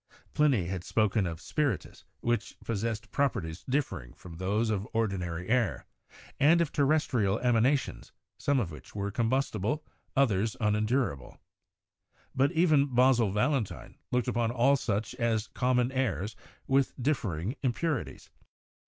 Pliny had spoken of "spiritus," which possessed properties differing from those of ordinary air; and of terrestrial emanations, some of which were com bustible, others unendurable. But even Basil Valentine looked upon all such as common airs with differing im purities.